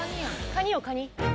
カニよカニ。